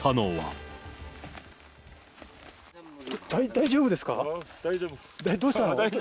大丈夫ですか？